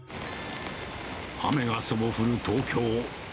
雨がそぼ降る東京。